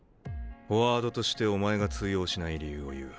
フォワードとしてお前が通用しない理由を言う。